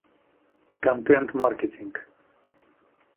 Контент-маркетинг